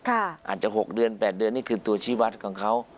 อาจจะ๖เดือน๘เดือนนี่คือตัวชีวัตรของเขา